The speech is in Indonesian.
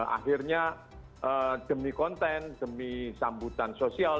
akhirnya demi konten demi sambutan sosial